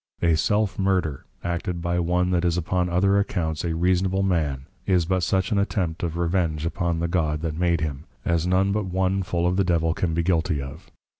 A self murder, acted by one that is upon other accounts a Reasonable man, is but such an attempt of Revenge upon the God that made him, as none but one full of the Devil can be guilty of.